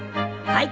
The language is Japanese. はい！